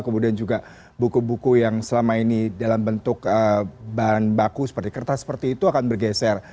kemudian juga buku buku yang selama ini dalam bentuk bahan baku seperti kertas seperti itu akan bergeser